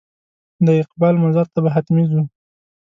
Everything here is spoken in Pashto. د اقبال مزار ته به حتمي ځو.